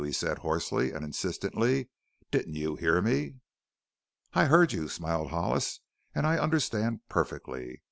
he said hoarsely and insistently. "Didn't you hear me?" "I heard you," smiled Hollis, "and I understand perfectly.